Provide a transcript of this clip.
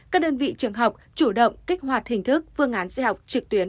các đơn vị trường học chủ động kích hoạt hình thức phương án dạy học trực tuyến